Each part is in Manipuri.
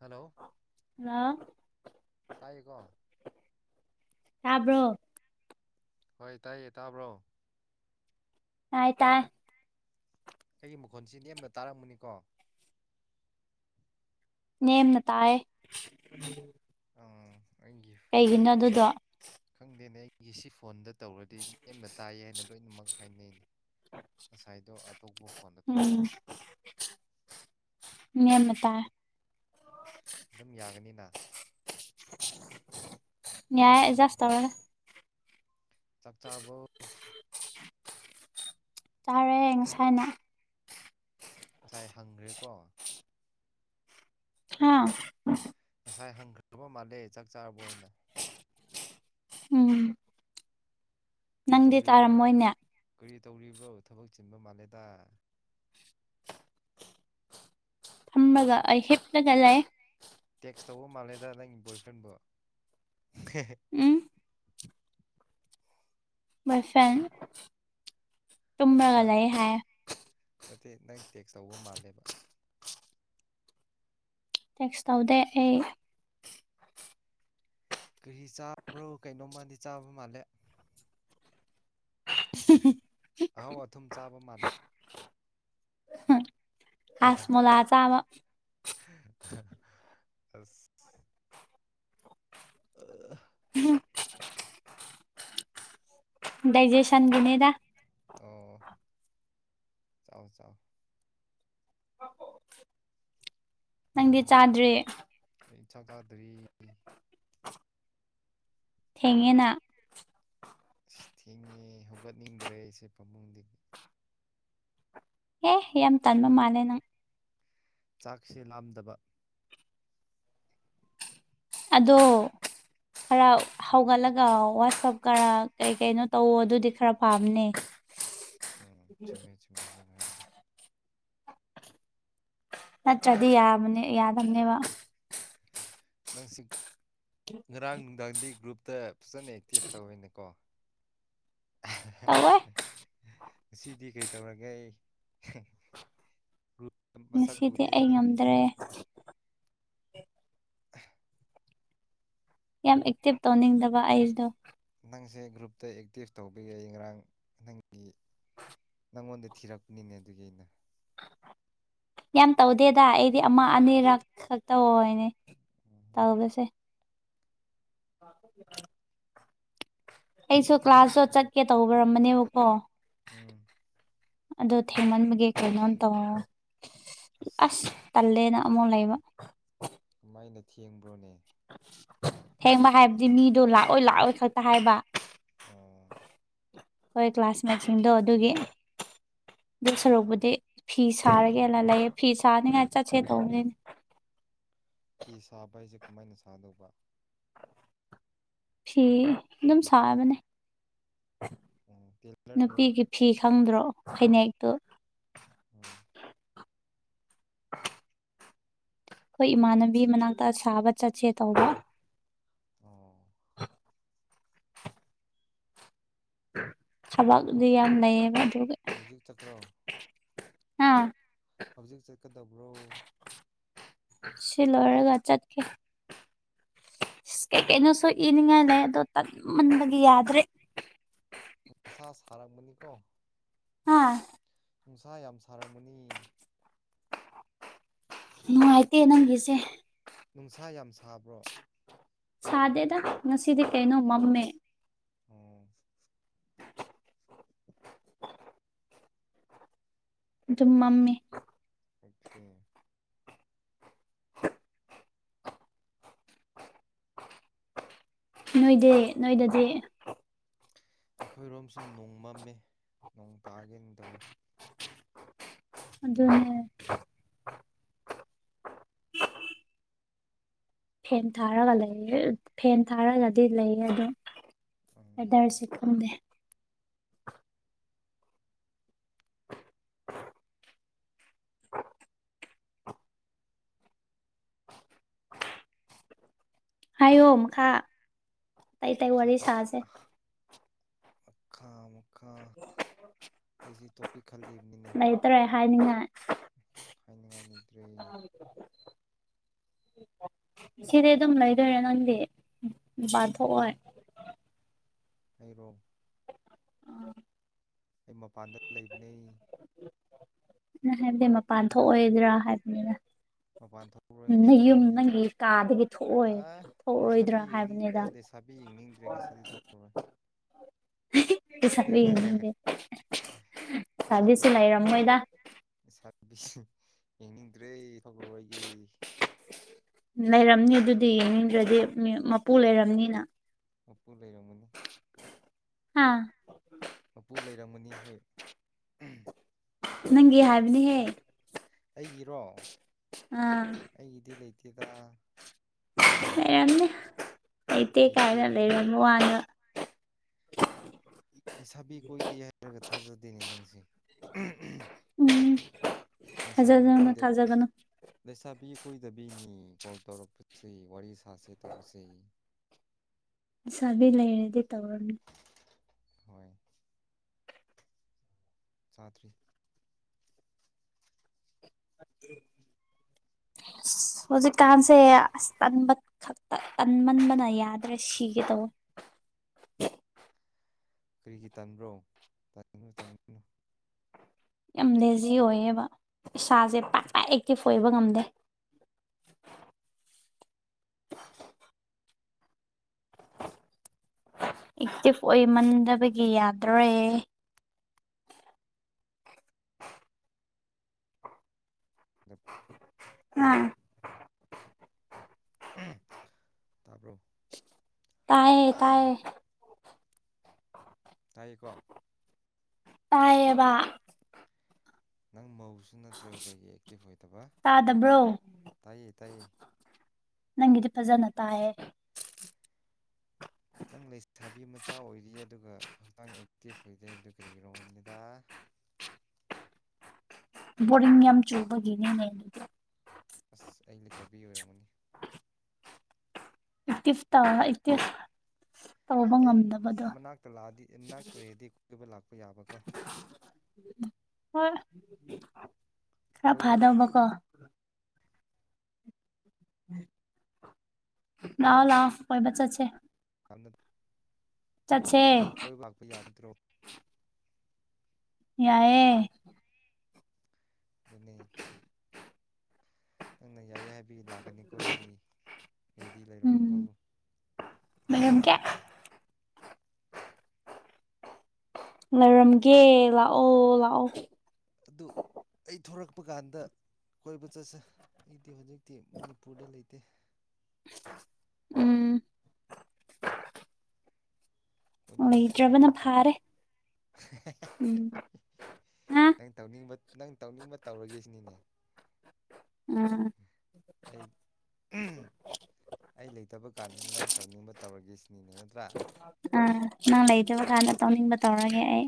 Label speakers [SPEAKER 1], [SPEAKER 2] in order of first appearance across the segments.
[SPEAKER 1] ꯍꯜꯂꯣ
[SPEAKER 2] ꯍꯜꯂꯣ
[SPEAKER 1] ꯇꯥꯏꯌꯦꯀꯣ
[SPEAKER 2] ꯌꯥꯥꯕ꯭ꯔꯣ
[SPEAKER 1] ꯍꯣꯏ ꯇꯥꯏꯌꯦ ꯇꯥꯕ꯭ꯔꯣ
[SPEAKER 2] ꯍꯥꯏ ꯇ
[SPEAKER 1] ꯑꯩꯒꯤ ꯃꯈꯣꯟꯁꯤ ꯅꯦꯝꯅ ꯇꯥꯔꯝꯃꯅꯤꯀꯣ
[SPEAKER 2] ꯅꯦꯝꯅ ꯇꯥꯏ
[SPEAKER 1] ꯑꯪ ꯑꯩꯒꯤ
[SPEAKER 2] ꯀꯩꯒꯤꯅꯣ ꯑꯗꯨꯗꯣ
[SPEAKER 1] ꯈꯪꯗꯦꯅꯦ ꯑꯩꯒꯤ ꯁꯤ ꯐꯣꯟꯗ ꯇꯧꯔꯗꯤ ꯅꯦꯝꯅ ꯇꯥꯏ ꯍꯥꯏꯅ ꯂꯣꯏꯅꯃꯛ ꯍꯥꯏꯅꯩꯅꯤ ꯉꯁꯥꯏꯗꯣ ꯑꯇꯣꯞꯄ ꯐꯣꯟꯗ ꯇꯧꯕ
[SPEAKER 2] ꯎꯝ ꯃꯤ ꯇꯥꯏ
[SPEAKER 1] ꯑꯗꯨꯝ ꯌꯥꯒꯅꯤꯅ
[SPEAKER 2] ꯅꯏ ꯁ ꯇ ꯃ
[SPEAKER 1] ꯆꯥꯛ ꯆꯥꯔꯕꯣ
[SPEAKER 2] ꯆꯥꯔꯦ ꯉꯁꯥꯏꯅ
[SPEAKER 1] ꯉꯁꯥꯏ ꯍꯪꯈ꯭ꯔꯦꯀꯣ
[SPEAKER 2] ꯑꯥ
[SPEAKER 1] ꯉꯁꯥꯏ ꯍꯪꯈ꯭ꯔꯕ ꯃꯥꯜꯂꯦ ꯆꯥꯛ ꯆꯥꯕ ꯑꯣꯏꯅ
[SPEAKER 2] ꯎꯝ
[SPEAKER 1] ꯀꯔꯤ
[SPEAKER 2] ꯅꯪꯗꯤ
[SPEAKER 1] ꯇꯧꯔꯤꯕ꯭ꯔꯣ
[SPEAKER 2] ꯇꯥꯔꯝꯃꯣꯏꯅꯦ
[SPEAKER 1] ꯀꯔꯤ ꯇꯧꯔꯤꯕ꯭ꯔꯣ ꯊꯕꯛ ꯆꯤꯟꯕ ꯃꯥꯜꯂꯦꯗ
[SPEAKER 2] ꯊꯝꯕꯒ ꯑꯩ ꯍꯦꯞꯂꯒ ꯂꯩ
[SPEAKER 1] ꯇꯦꯛꯁ ꯇꯧꯕ ꯃꯥꯜꯂꯦꯗ ꯅꯪꯒꯤ ꯕꯣꯏ ꯐ꯭ꯔꯦꯟꯕꯨ
[SPEAKER 2] ꯎꯝ ꯁꯪ
[SPEAKER 1] ꯍꯥ
[SPEAKER 2] ꯇꯃꯒꯂꯑ ꯍꯥꯏ
[SPEAKER 1] ꯅꯠꯇꯦ ꯅꯪ ꯇꯦꯛꯁ ꯇꯧꯕ ꯃꯥꯜꯂꯦꯕ
[SPEAKER 2] ꯇꯦꯛꯁ ꯇꯧꯗꯦ ꯑꯩ
[SPEAKER 1] ꯀ ꯆꯥꯕ꯭ꯔꯣ ꯀꯩꯅꯣꯝꯃꯜꯗꯤ ꯆꯥꯕ ꯃꯥꯜꯂꯦ ꯑꯍꯧ ꯑꯊꯨꯝ ꯆꯥꯕ ꯃꯥꯜꯂꯦ
[SPEAKER 2] ꯑꯥꯁ ꯃꯂ ꯆ ꯑꯃ
[SPEAKER 1] ꯑꯁ ꯑ
[SPEAKER 2] ꯎꯝ ꯗꯏꯖꯦꯁꯟ ꯅꯦꯗ
[SPEAKER 1] ꯑꯣ ꯆꯥꯎꯥꯎ ꯆꯥꯎꯥꯎ
[SPEAKER 2] ꯅꯪꯗꯤ ꯆꯥꯗ꯭ꯔꯦ
[SPEAKER 1] ꯏ ꯆ ꯊꯥꯗ꯭ꯔꯤ
[SPEAKER 2] ꯊꯦꯡꯉꯦꯅ
[SPEAKER 1] ꯑꯁ ꯊꯦꯡꯉꯦ ꯍꯧꯒꯠꯅꯤꯡꯗ꯭ꯔꯦ ꯑꯩꯁꯦ ꯄꯥꯕꯨꯡꯗꯤꯗꯒꯤ
[SPEAKER 2] ꯑꯦ ꯌꯥꯝ ꯇꯟꯕ ꯃꯥꯜꯂꯦ ꯅꯪ
[SPEAKER 1] ꯆꯥꯛꯁꯦ ꯂꯥꯝꯗꯕ
[SPEAKER 2] ꯑꯗꯣ ꯈꯔ ꯍꯧꯒꯠꯂꯒ ꯋꯥꯆꯞ ꯈꯔ ꯀꯩ ꯀꯩꯅꯣ ꯇꯧꯋ ꯑꯗꯨꯗꯤ ꯈꯔ ꯄꯥꯝꯅꯦ
[SPEAKER 1] ꯎꯝ ꯆꯨꯝꯃꯦ ꯆꯨꯝꯃꯦꯅꯉꯥꯏꯗ
[SPEAKER 2] ꯅꯠꯇ꯭ꯔꯗꯤ ꯌꯥꯕ ꯌꯥꯗꯕꯅꯦꯕ
[SPEAKER 1] ꯅꯪꯁꯤ ꯉꯔꯥꯡ ꯅꯨꯡꯗꯥꯡꯗꯤ ꯒ꯭ꯔꯨꯞꯇ ꯐꯖꯅ ꯑꯦꯛꯇꯤꯞ ꯇꯧꯋꯤꯅꯦꯀꯣ
[SPEAKER 2] ꯇꯋꯏ
[SPEAKER 1] ꯑꯁꯤꯗꯤ ꯀꯩ ꯇꯧꯔꯒꯦ ꯑꯩ
[SPEAKER 2] ꯉꯁꯤꯗꯤ ꯑꯩ ꯉꯝꯗ꯭ꯔꯦ ꯌꯥꯝ ꯑꯦꯛꯇꯤꯚ ꯇꯧꯅꯤꯡꯗꯕ ꯑꯩꯁꯇꯣ
[SPEAKER 1] ꯅꯪꯁꯦ ꯒ꯭ꯔꯨꯞꯇ ꯑꯦꯛꯇꯤꯁ ꯇꯧꯕ ꯌꯥꯏ ꯉꯔꯥꯡ ꯅꯪꯒꯤ ꯅꯪꯉꯣꯟꯗ ꯊꯤꯔꯛꯄꯅꯤꯅꯦ ꯑꯗꯨꯒꯤ ꯑꯩꯅ
[SPEAKER 2] ꯌꯥꯝ ꯇꯧꯗꯦꯗ ꯑꯩꯗꯤ ꯑꯃ ꯑꯅꯤꯔꯛ ꯈꯛꯇ ꯍꯥꯏꯅꯦ
[SPEAKER 1] ꯎꯝ
[SPEAKER 2] ꯇꯥꯉꯕꯂꯁꯦ [inaudible] ꯑꯩꯁꯨ ꯀ꯭ꯂꯥꯁꯁꯨ ꯆꯠꯀꯦ ꯇꯧꯕꯤꯔꯃꯅꯦꯕꯀꯣ
[SPEAKER 1] ꯎꯝ
[SPEAKER 2] ꯑꯗꯣ ꯊꯦꯃꯟꯦ ꯀꯩꯅꯩꯅꯣ ꯇꯣ ꯑꯁ ꯇꯂꯦꯅ ꯀꯃꯣꯟ ꯂꯩꯕ
[SPEAKER 1] ꯀꯃꯥꯏꯅ ꯊꯦꯡꯕ꯭ꯔꯣꯅꯦ
[SPEAKER 2] ꯊꯦꯡꯕ ꯍꯥꯏꯕꯗꯤ ꯃꯤꯗꯣ ꯂꯥꯛꯑꯣꯏ ꯂꯥꯛꯑꯣꯏ ꯈꯛꯇ ꯍꯥꯏꯕ
[SPEAKER 1] ꯑꯣ
[SPEAKER 2] ꯑꯩꯈꯣꯏ ꯀ꯭ꯂꯥꯁꯃꯦꯠꯁꯤꯡꯗꯣ ꯑꯗꯨꯒꯤ ꯑꯗꯨ ꯁꯔꯨꯛꯄꯨꯗꯤ ꯐꯤ ꯁꯥꯔꯒꯦꯅ ꯂꯩꯌꯦ ꯐꯤ ꯁꯥꯅꯤꯉꯥꯏ ꯆꯠꯁꯦ ꯇꯧꯕꯅꯤꯅꯦ
[SPEAKER 1] ꯐꯤ ꯁꯥꯕ ꯍꯥꯏꯁꯦ ꯀꯃꯥꯏꯅ ꯁꯥꯗꯧꯕ
[SPEAKER 2] ꯐꯤ ꯑꯗꯨꯝ ꯁꯥꯕꯅꯦ
[SPEAKER 1] ꯎꯝ ꯇꯦꯂꯔꯗꯔꯣ
[SPEAKER 2] ꯅꯨꯄꯤꯒꯤ ꯐꯤ ꯈꯪꯗ꯭ꯔꯣ ꯐꯅꯦꯛꯇꯨ
[SPEAKER 1] ꯎꯝ
[SPEAKER 2] ꯑꯩꯈꯣꯏ ꯏꯃꯥꯟꯅꯕꯤ ꯃꯅꯥꯛꯇ ꯁꯥꯕ ꯆꯠꯁꯦ ꯇꯧꯕ
[SPEAKER 1] ꯑꯣ
[SPEAKER 2] ꯁꯕꯗꯤ ꯌꯥꯝ ꯂꯩꯏꯌꯦꯕ
[SPEAKER 1] ꯍꯧꯖꯤꯛ ꯆꯀ꯭ꯔꯣ
[SPEAKER 2] ꯑꯥ
[SPEAKER 1] ꯍꯧꯖꯤꯛ ꯆꯠꯀꯗꯕ꯭ꯔꯣ
[SPEAKER 2] ꯁꯤꯂꯔꯒ ꯆꯠ ꯀꯦ ꯀꯩꯀꯩꯅꯣꯁꯨ ꯏꯅꯤꯡꯉꯥꯏꯂ ꯑꯣ ꯇꯟꯃꯟꯕꯒꯤ ꯌꯥꯗ꯭ꯔꯦ
[SPEAKER 1] ꯅꯨꯡꯁꯥ ꯁꯥꯔꯛꯕꯅꯤꯀꯣ
[SPEAKER 2] ꯑꯥ
[SPEAKER 1] ꯅꯨꯡꯁꯥ ꯌꯥꯝ ꯁꯥꯔꯝꯃꯅꯤ
[SPEAKER 2] ꯅꯨꯡꯉꯥꯏꯇꯦ ꯅꯪꯒꯤꯁꯦ
[SPEAKER 1] ꯅꯨꯡꯁꯥ ꯌꯥꯝ ꯁꯥꯕ꯭ꯔꯣ
[SPEAKER 2] ꯁꯥꯗꯦꯗ ꯉꯁꯤꯗꯤ ꯀꯩꯅꯣ ꯃꯝꯃꯦ
[SPEAKER 1] ꯎꯝ
[SPEAKER 2] ꯑꯗꯨꯝ ꯃꯝꯃꯤ
[SPEAKER 1] ꯑꯦ
[SPEAKER 2] ꯅꯣꯏꯗꯤ ꯅꯣꯏꯗꯗꯤ
[SPEAKER 1] ꯑꯩꯈꯣꯏꯔꯣꯝꯁꯨ ꯅꯣꯡ ꯃꯝꯃꯤ ꯅꯣꯡ ꯇꯥꯒꯦꯅꯤ ꯇꯧꯋꯤ
[SPEAKER 2] ꯑꯗꯨꯅꯦ ꯐꯦꯟ ꯊꯥꯔꯒ ꯂꯩꯌꯦ ꯐꯦꯟ ꯊꯥꯔꯒꯗꯤ ꯂꯩꯌꯦ ꯑꯗꯨꯗꯣ
[SPEAKER 1] ꯎꯝ
[SPEAKER 2] ꯑꯦꯗꯥꯔꯁꯤ ꯈꯗꯦ
[SPEAKER 1] [inaudible]
[SPEAKER 2] ꯍꯥꯏꯌꯣ ꯃꯈꯥ ꯑꯇꯩ ꯑꯇꯩ ꯋꯥꯔꯤ ꯁꯥꯁꯦ
[SPEAKER 1] ꯃꯥ ꯑꯩꯁꯤꯦ ꯇꯣꯄꯤꯛ ꯈꯜꯂꯤꯕꯅꯤꯅꯦ
[SPEAKER 2] ꯂꯩꯇ꯭ꯔꯦ ꯍꯥꯏꯅꯤꯡꯉꯥꯏ
[SPEAKER 1] ꯍꯥꯏꯅꯤꯡꯉꯥꯏꯅꯤꯗ꯭ꯔꯦ
[SPEAKER 2] ꯁꯤꯗꯤ ꯑꯗꯨꯝ ꯂꯩꯗꯣꯏꯔꯥ ꯅꯪꯗꯤ ꯕꯥꯥꯟꯊꯣꯛꯑꯣ
[SPEAKER 1] ꯑꯩꯕꯣ ꯑꯩ ꯃꯄꯥꯟꯗ ꯂꯩꯕꯅꯦꯩ
[SPEAKER 2] ꯍꯥꯏꯕꯗꯤ ꯃꯄꯥꯟ ꯊꯣꯛꯑꯣꯗ꯭ꯔꯥ ꯍꯥꯏꯕꯅꯤꯅ
[SPEAKER 1] ꯃꯄꯥꯟ ꯊꯣꯛꯔꯣꯏ
[SPEAKER 2] ꯅꯪ ꯌꯨꯝ
[SPEAKER 1] ꯉꯁꯤꯗꯤ
[SPEAKER 2] ꯅꯪꯒꯤ ꯀꯥꯗꯒꯤ ꯊꯣꯛꯑꯣ ꯊꯣꯛꯔꯣꯏꯗ꯭ꯔꯥ ꯍꯥꯏꯕꯅꯤꯗ
[SPEAKER 1] ꯄꯁꯥꯕꯤ ꯌꯦꯡꯅꯤꯡꯗ꯭ꯔꯦ ꯉꯁꯤꯗꯤ ꯊꯣꯛꯈꯔꯣꯏ
[SPEAKER 2] [inaudible] ꯄꯕꯤ ꯌꯦꯅꯤꯡꯗꯦ ꯆꯥꯕꯤꯁꯨ ꯂꯩꯔꯝꯃꯣꯏꯗ
[SPEAKER 1] ꯕꯤ ꯌꯦꯡꯅꯤꯡꯗ꯭ꯔꯦ ꯐꯏꯒꯤ
[SPEAKER 2] ꯂꯩꯔꯝꯅꯤ ꯑꯗꯨꯗꯤ ꯌꯦꯡꯅꯤꯡꯗ꯭ꯔꯗꯤ ꯃꯄꯨ ꯂꯩꯔꯕꯝꯅꯤꯅ
[SPEAKER 1] ꯑꯣꯄ ꯂꯩꯔꯣ
[SPEAKER 2] ꯍꯥꯥ
[SPEAKER 1] ꯃꯄꯨ ꯂꯩꯔꯝꯃꯅꯤ ꯍꯣꯏ
[SPEAKER 2] ꯅꯪꯒꯤ ꯍꯥꯏꯕꯅꯦꯍꯦ
[SPEAKER 1] ꯑꯩꯒꯤꯔꯣ
[SPEAKER 2] ꯑꯥ
[SPEAKER 1] ꯊꯤꯀ
[SPEAKER 2] ꯑꯇꯦ
[SPEAKER 1] ꯂꯩꯇꯦ
[SPEAKER 2] ꯀꯥꯏꯅ ꯋꯥꯉ [inaudible]
[SPEAKER 1] ꯑꯩ ꯁꯥꯕꯤ ꯀꯣꯏꯗꯦ ꯍꯥꯏꯔꯒ ꯊꯥꯖꯗꯦꯅꯦ ꯅꯪꯁꯦ
[SPEAKER 2] ꯎꯝ
[SPEAKER 1] ꯂꯩꯁꯥꯕꯤ
[SPEAKER 2] ꯊꯥꯖꯒꯅꯨ
[SPEAKER 1] ꯀꯣꯏꯗ
[SPEAKER 2] ꯊꯥꯖꯒꯅꯨ
[SPEAKER 1] ꯂꯩꯁꯥꯕꯤ ꯀꯀꯣꯏꯗꯕꯤꯅꯤ ꯀꯣꯜ ꯇꯧꯔꯛꯄꯁꯤ ꯋꯥꯔꯤ ꯁꯥꯁꯤꯦ ꯇꯧꯕꯁꯦ
[SPEAKER 2] ꯁꯥꯕꯤ ꯂꯩꯔꯗꯤ ꯇꯧꯔꯝꯅꯤ
[SPEAKER 1] ꯍꯣꯏ ꯆꯥꯇ꯭ꯔꯤ
[SPEAKER 2] ꯑꯗꯨ
[SPEAKER 1] [inaudible]
[SPEAKER 2] ꯑꯁ ꯍꯧꯖꯤꯛꯀꯥꯟꯁꯦ ꯑꯁ ꯇꯟꯕ ꯈꯛꯇ ꯇꯟꯃꯟꯕꯅ ꯌꯥꯗ꯭ꯔꯦ ꯁꯤꯒꯦ ꯇꯧꯕ
[SPEAKER 1] [inaudible] ꯀꯔꯤꯒꯤ ꯇꯟꯕ꯭ꯔꯣ ꯇꯟꯒꯅꯨ ꯇꯟꯒꯅꯨ
[SPEAKER 2] ꯌꯥꯝ ꯦꯖꯤ ꯑꯣꯏꯌꯦꯕ ꯏꯁꯥꯁꯦ ꯄꯥꯛ ꯄ ꯑꯦꯛꯇꯤꯞ ꯑꯣꯏꯕ ꯉꯝꯗꯦ
[SPEAKER 1] ꯑ
[SPEAKER 2] ꯑꯦꯛꯇꯤꯚ ꯑꯣꯏꯃꯟꯗꯕꯒꯤ ꯌꯥꯗꯔꯦ
[SPEAKER 1] ꯑ
[SPEAKER 2] ꯎꯝ
[SPEAKER 1] ꯇꯥꯕ꯭ꯔꯣ
[SPEAKER 2] ꯇꯌꯦ ꯇꯌꯦ
[SPEAKER 1] ꯍꯥꯏꯀꯣ
[SPEAKER 2] ꯇꯥꯏꯌꯦꯕ
[SPEAKER 1] ꯅꯪ ꯃꯧꯁꯨ ꯅꯠꯇ꯭ꯔꯒ ꯀꯩꯀꯩ ꯑꯦꯛꯇꯤꯚ ꯑꯣꯏꯗꯕ
[SPEAKER 2] ꯇꯥꯗꯕ꯭ꯔꯣ
[SPEAKER 1] ꯇꯥꯏ ꯇꯥꯏ
[SPEAKER 2] ꯅꯪꯒꯤꯗꯤ ꯐꯖꯅ ꯇꯥꯏꯌꯦ
[SPEAKER 1] ꯅꯪ ꯂꯩ ꯊꯥꯕꯤ ꯃꯆꯥ ꯑꯣꯏꯔꯤ ꯑꯗꯨꯒ ꯍꯛꯆꯥꯡ ꯑꯦꯛꯇꯤꯚ ꯑꯣꯏꯗꯦ ꯍꯥꯏꯕꯗꯨ ꯀꯔꯤꯒꯤꯔꯣꯅꯤꯗ [inaudible]
[SPEAKER 2] ꯕꯣꯔꯤꯡ ꯌꯥꯝ ꯆꯨꯕꯒꯤꯅꯦ ꯂꯩꯔꯤꯗ
[SPEAKER 1] ꯑꯁ ꯑꯩ ꯂꯩꯇꯕꯤ ꯑꯣꯏꯔꯝꯃꯅꯤ
[SPEAKER 2] ꯏꯁ ꯏ
[SPEAKER 1] ꯑꯩ ꯃꯅꯥꯛꯇ ꯂꯥꯛꯑꯗꯤ ꯃꯅꯥꯛꯇ ꯂꯩꯔꯗꯤ ꯀꯣꯏꯕ ꯂꯥꯛꯄ ꯌꯥꯕꯀꯣ [inaudible]
[SPEAKER 2] ꯍꯣꯏ ꯈꯔ
[SPEAKER 1] ꯀꯣꯏꯕ ꯂꯥꯛ
[SPEAKER 2] ꯐꯥꯗꯕꯀꯣ ꯂꯑꯣ ꯂꯑꯣ ꯀꯣꯏꯕ ꯆꯠꯁ
[SPEAKER 1] ꯍ ꯀꯣꯏ ꯂꯥꯛꯛꯄꯩ ꯌꯥꯕꯠꯇꯔꯣ
[SPEAKER 2] ꯌꯥꯏꯑꯦ
[SPEAKER 1] ꯑꯗꯨꯅꯤ ꯅ ꯌꯥꯏꯌꯦ ꯍꯥꯏꯕꯒꯤ ꯂꯥꯛꯀꯅꯤꯀꯣ ꯑꯩꯗꯤ ꯑꯩꯗꯤ ꯂꯩꯔꯝꯃꯨꯀꯣ
[SPEAKER 2] ꯎꯝ ꯂꯩꯔꯝꯒꯦ ꯂꯩꯔꯝꯒꯦ ꯂꯥꯛꯑꯣ ꯂꯥꯛꯑꯣ
[SPEAKER 1] ꯑꯗꯨ ꯑꯩ ꯊꯣꯔꯛꯄ ꯀꯥꯟꯗ ꯀꯣꯏꯕ ꯆꯠꯁ ꯑꯩꯗꯤ ꯍꯧꯖꯤꯛ ꯠꯇꯦ ꯃꯅꯤꯄꯨꯔꯗ ꯂꯩꯇꯦ
[SPEAKER 2] ꯎꯝ
[SPEAKER 1] ꯀꯣꯏꯅꯤꯡꯅꯁꯨ ꯄꯥꯏ
[SPEAKER 2] ꯂꯩꯇ꯭ꯔꯕꯅ
[SPEAKER 1] ꯂꯩꯇꯦꯀꯣ
[SPEAKER 2] ꯐꯥꯔꯦ ꯎꯝ ꯍꯥ
[SPEAKER 1] ꯅꯪ ꯇꯧꯅꯤꯡꯕ ꯅꯪ ꯇꯧꯅꯤꯡꯕ ꯇꯧꯔꯒꯦꯁꯤꯅꯤꯅꯦ
[SPEAKER 2] ꯎꯝ
[SPEAKER 1] ꯑꯩ ꯑꯩ ꯂꯩꯇꯕ ꯀꯥꯟꯁꯤꯗ ꯅꯪ ꯇꯧꯅꯤꯡꯕ ꯇꯧꯔꯒꯦ ꯁꯤꯅꯤꯅꯦ ꯅꯠꯇ꯭ꯔꯥ
[SPEAKER 2] ꯑꯥ ꯅꯪ ꯂꯩꯗꯕ ꯀꯥꯟꯗ ꯇꯧꯅꯤꯡꯕ ꯇꯧꯔꯒꯦ ꯑꯩ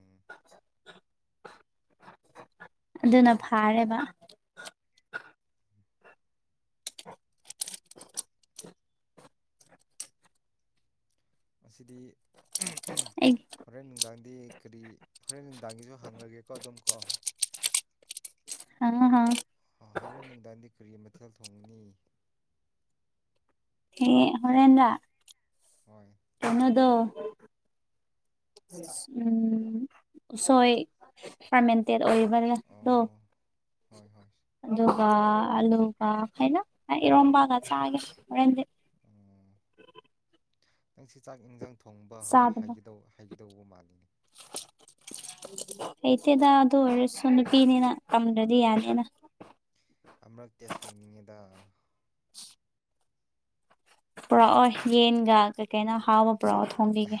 [SPEAKER 1] ꯎꯝ
[SPEAKER 2] ꯑꯗꯨꯅ ꯐꯥꯔꯦꯕ [inaudible]
[SPEAKER 1] ꯑꯁꯤꯗꯤ
[SPEAKER 2] ꯑꯩ
[SPEAKER 1] ꯍꯣꯔꯦꯟ ꯅꯨꯡꯗꯥꯡꯗꯤ ꯀꯔꯤ ꯍꯣꯔꯦꯟ ꯅꯨꯡꯗꯥꯡꯒꯤꯁꯨ ꯍꯪꯉꯒꯦꯀꯣ ꯑꯗꯨꯝ ꯀꯣ
[SPEAKER 2] ꯑ ꯍ
[SPEAKER 1] ꯍꯣꯔꯦꯟ ꯅꯨꯡꯗꯥꯡꯗꯤ ꯀꯨꯔꯤ ꯃꯊꯦꯜ ꯊꯣꯡꯉꯅꯤ
[SPEAKER 2] ꯍ ꯍꯣꯔꯦꯟꯗ
[SPEAKER 1] ꯍꯣꯏ
[SPEAKER 2] ꯑꯗ ꯎꯝ ꯁꯣꯏ ꯐꯃꯦꯟꯇ ꯑꯣꯏꯕ꯭ꯔꯗꯣ
[SPEAKER 1] ꯑꯣ ꯍꯣꯏ ꯍꯣꯏ
[SPEAKER 2] ꯑꯗꯨꯒ ꯑꯂꯨꯒ ꯍꯥꯏꯅ ꯏꯔꯣꯝꯝꯕꯒ ꯆꯒꯦꯦꯟꯗꯤ
[SPEAKER 1] ꯅꯪ ꯁꯤ ꯆꯥꯛ ꯏꯟꯁꯥꯡ ꯊꯣꯡꯕ
[SPEAKER 2] ꯆꯥꯗꯕ
[SPEAKER 1] ꯍꯥꯏꯒꯗꯧꯕ ꯃꯥꯜꯂꯤꯅꯦ [inaudible]
[SPEAKER 2] ꯍꯩꯇꯦꯗ ꯑꯗꯨ ꯑꯣꯏꯔꯁꯨ ꯅꯨꯄꯤꯅꯤꯅ ꯀꯝꯗ꯭ꯔꯗꯤ ꯌꯥꯅꯤꯅ
[SPEAKER 1] ꯑꯃꯨꯔꯛ ꯇꯦꯁ ꯇꯧꯅꯤꯡꯉꯦꯗ
[SPEAKER 2] ꯄꯨꯔꯛꯑꯣꯏ ꯌꯦꯟꯒ ꯀꯩ ꯀꯅ ꯍꯥꯥꯎꯕ ꯄꯔꯣꯠ ꯍꯅꯤꯒ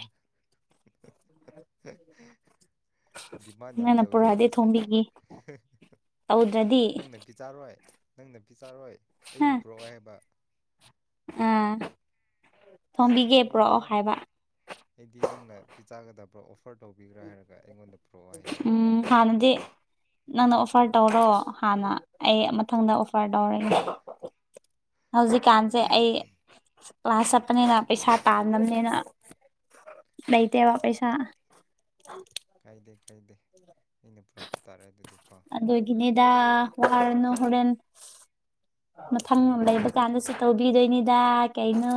[SPEAKER 1] ꯗꯤꯃꯥꯟ ꯌꯥꯝ
[SPEAKER 2] ꯅꯪꯅ
[SPEAKER 1] ꯇꯧꯋꯤꯅꯦ
[SPEAKER 2] ꯄꯨꯔꯛꯗꯤ
[SPEAKER 1] ꯅꯪꯁꯦ
[SPEAKER 2] ꯊꯣꯝꯕꯤꯈꯤ ꯇꯧꯗ꯭ꯔꯗꯤ
[SPEAKER 1] ꯅꯪ ꯅꯥꯄꯤ ꯆꯥꯔꯣꯏ ꯅꯪ ꯅꯞꯤ ꯆꯥꯔꯣꯏ
[SPEAKER 2] ꯍꯥ
[SPEAKER 1] ꯑꯩꯕꯨ ꯄꯨꯔꯛꯑꯣ ꯍꯥꯏꯕ
[SPEAKER 2] ꯑꯥ
[SPEAKER 1] ꯑꯁ
[SPEAKER 2] ꯊꯣꯝꯕꯤꯒꯦ ꯄ꯭ꯔꯛꯑꯣ
[SPEAKER 1] ꯂꯣꯏꯔꯦꯍꯦ
[SPEAKER 2] ꯍꯥꯏꯕ
[SPEAKER 1] ꯑꯩꯗꯤ ꯅꯪꯅ ꯄꯤꯖꯥꯒꯗꯕ꯭ꯔꯥ ꯑꯣꯐꯔ ꯇꯧꯕꯤꯒ꯭ꯔꯥ ꯍꯥꯏꯔꯒ ꯑꯩꯉꯣꯟꯗ ꯄꯨꯔꯣ ꯋꯥꯍꯩꯅꯤ
[SPEAKER 2] ꯎꯝ ꯍꯥꯟꯅꯗꯤ ꯅꯪꯅ ꯑꯣꯐꯔ ꯇꯧꯔꯣ ꯍꯥꯟꯅ ꯑꯩ ꯃꯊꯪꯗ ꯑꯣꯐꯔ ꯇꯧꯔꯦꯅꯦ ꯍꯧꯖꯤꯛꯀꯥꯟꯁꯦ ꯑꯩ ꯀ꯭ꯂꯥꯁ ꯆꯠꯄꯅꯤꯅ ꯄꯩꯁꯥ ꯄꯥꯝꯅꯕꯅꯤꯅ ꯂꯩꯩꯇꯕ
[SPEAKER 1] ꯎꯝ
[SPEAKER 2] ꯄꯩꯁꯥ
[SPEAKER 1] ꯀꯥꯏꯗꯦ ꯀꯥꯏꯗꯦ ꯑꯩꯅ ꯄꯨꯔꯛꯄ ꯇꯥꯔꯦ ꯑꯗꯨꯗꯤ ꯀꯣ
[SPEAKER 2] ꯑꯗꯨꯗꯒꯤꯅꯤꯗ ꯋꯥꯔꯅ ꯍꯣꯔꯦꯟ
[SPEAKER 1] [inaudible]
[SPEAKER 2] ꯃꯊꯪ ꯂꯩꯕ ꯀꯥꯟꯗꯁꯨ ꯇꯧꯕꯤꯗꯣꯏꯅꯤꯗ ꯀꯩꯅꯣ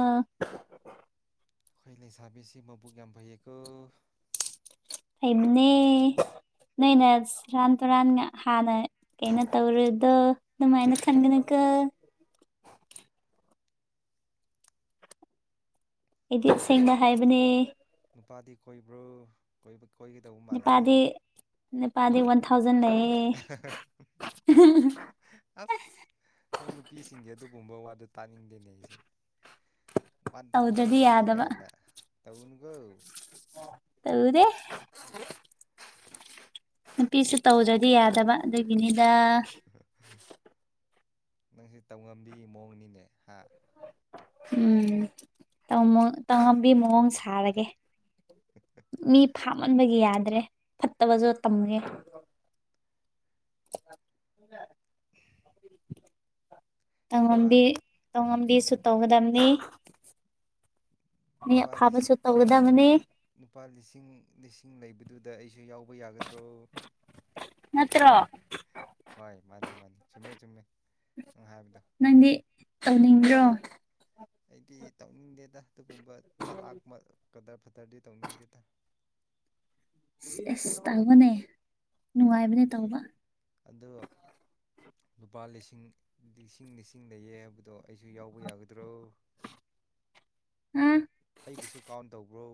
[SPEAKER 1] ꯈꯣꯏ ꯂꯩ ꯁꯥꯐꯦꯁꯤ ꯃꯕꯨꯒꯝ ꯐꯩ
[SPEAKER 2] ꯊꯩꯅꯦ ꯅꯣꯏꯅ ꯔꯥꯟ ꯇꯨꯔꯥꯟ ꯍꯅ ꯀꯩꯅꯣ ꯇꯧꯔꯗꯣ ꯑꯗꯨꯃꯥꯏꯅ ꯈꯟꯒꯅꯤꯀ ꯑꯩꯗꯤꯠ
[SPEAKER 1] ꯅꯪꯁꯤ
[SPEAKER 2] ꯁꯦꯡꯅ
[SPEAKER 1] ꯅꯨꯄꯥ
[SPEAKER 2] ꯍꯥꯏꯕꯅꯦ
[SPEAKER 1] ꯅꯨꯄꯥꯗꯤ ꯀꯣꯏꯕ꯭ꯔꯣ ꯀꯣꯏꯕ ꯀꯣꯏꯒꯗꯧꯕ ꯃꯥꯜꯂꯤ
[SPEAKER 2] ꯦꯄꯥꯗꯤꯅꯤꯄꯥꯗꯤ ꯋꯥꯟ ꯊꯥꯎꯖꯟ ꯂꯩ
[SPEAKER 1] ꯑꯁ ꯅꯣꯏ ꯅꯨꯄꯤꯁꯤꯡꯒꯤ ꯑꯗꯨ ꯇꯨꯝꯕ ꯋꯥꯗꯣ ꯇꯥꯅꯤꯡꯗꯦꯅꯦ ꯑꯩꯁꯦ ꯋꯥꯟ ꯊꯥꯎꯖꯟ
[SPEAKER 2] ꯇꯧꯗ꯭ꯔꯗꯤ
[SPEAKER 1] ꯂꯩꯌꯦ
[SPEAKER 2] ꯌꯥꯗꯕ
[SPEAKER 1] ꯀꯥꯏꯅ ꯇꯧꯟꯒꯣ
[SPEAKER 2] ꯇꯧꯗꯦ ꯅꯨꯄꯤꯁ ꯇꯧꯗ꯭ꯔꯗꯤ ꯌꯥꯗꯕ ꯑꯗꯨꯒꯤꯅꯤꯗ
[SPEAKER 1] ꯅꯪꯁꯦ ꯇꯧꯉꯝꯕꯤ ꯃꯑꯣꯡꯅꯤꯅꯦ ꯍꯥ
[SPEAKER 2] ꯎꯝ ꯇꯃ ꯇꯉꯝꯕꯤ ꯃꯑꯣꯡ ꯁꯥꯔꯒꯦ ꯃꯤ ꯐꯥꯝꯃꯟꯕꯒꯤ ꯌꯥꯗ꯭ꯔꯦ ꯐꯠꯇꯕꯁꯨ ꯇꯝꯒꯦ
[SPEAKER 1] ꯎꯝ
[SPEAKER 2] [inaudible]
[SPEAKER 1] ꯅꯨꯄꯥ
[SPEAKER 2] ꯉꯝꯕꯤ ꯇꯉꯝꯕꯤꯁꯨ ꯇꯧꯒꯗꯝꯕꯅꯤ
[SPEAKER 1] ꯄꯥ
[SPEAKER 2] ꯇꯧꯒꯗꯕꯅꯤ
[SPEAKER 1] ꯅꯨꯄꯥ ꯂꯤꯁꯤꯡ ꯂꯤꯁꯤꯡ ꯂꯩꯕꯗꯨꯗ ꯑꯩꯁꯨ ꯌꯥꯎ ꯍꯧꯕ ꯌꯥꯒꯗ꯭ꯔꯣ
[SPEAKER 2] ꯅꯠꯇ꯭ꯔꯣ
[SPEAKER 1] ꯍꯣꯏ ꯃꯥꯅꯤ ꯃꯥꯅꯤ ꯆꯨꯝꯃꯦ ꯆꯨꯝꯃꯦ ꯍꯥꯏꯕꯗꯣ
[SPEAKER 2] ꯇꯧꯅꯤꯡꯕ꯭ꯔꯣ
[SPEAKER 1] ꯑꯩꯗꯤ ꯇꯧꯅꯤꯡꯗꯦ ꯑꯗꯨꯒꯨꯝꯕ ꯆꯂꯥꯛꯄ ꯀꯗꯔ ꯐꯗ꯭ꯔꯗꯤ ꯇꯧꯅꯤꯡꯗꯦꯗ
[SPEAKER 2] ꯑꯦꯁ ꯇꯧꯕꯅꯦ ꯅꯨꯡꯉꯥꯏꯕꯅꯦ ꯇꯧꯕ
[SPEAKER 1] ꯑ ꯂꯨꯄꯥ ꯂꯤꯁꯤꯡ ꯂꯤꯁꯤꯡ ꯂꯤꯁꯤꯡ ꯂꯩꯌꯦ ꯍꯥꯏꯕꯗꯣ ꯑꯩꯁꯨ ꯌꯥꯎꯕ ꯌꯥꯒꯗ꯭ꯔ ꯭ꯔꯣ
[SPEAKER 2] ꯑ
[SPEAKER 1] ꯑꯩꯕꯨꯁꯨ ꯀꯥꯎꯟ ꯇꯧꯕ꯭ꯔꯣ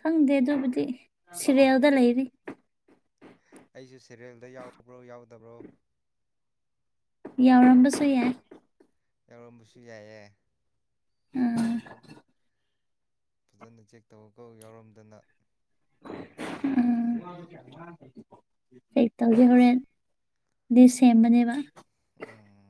[SPEAKER 2] ꯈꯪꯗꯦ ꯑꯗꯨꯕꯨꯗꯤ ꯁꯤꯔꯦꯜꯗ ꯂꯩꯔꯤ
[SPEAKER 1] ꯗꯕ꯭ꯔꯣ
[SPEAKER 2] ꯌꯥꯎꯔꯝꯕꯁꯨ ꯌꯥꯏ
[SPEAKER 1] ꯌꯥꯎꯔꯝꯕꯁꯨ ꯌꯥꯏꯌꯦ
[SPEAKER 2] ꯑ
[SPEAKER 1] ꯐꯖꯅ ꯆꯦꯛ ꯇꯧꯔꯒ ꯌꯥꯎꯔꯝꯗꯅ
[SPEAKER 2] ꯀ ꯇꯧꯒꯦ ꯍꯣꯔꯦꯟ ꯑꯗꯨ ꯁꯦꯝꯕꯅꯦꯕ
[SPEAKER 1] ꯎꯝ